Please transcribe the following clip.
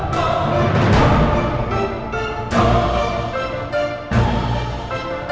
saya kesini cuma pengen tanya surat tes dna yang dibawa rina ke sekolah